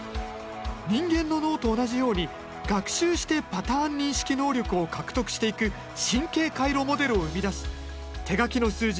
人間の脳と同じように学習してパターン認識能力を獲得していく神経回路モデルを生み出し手書きの数字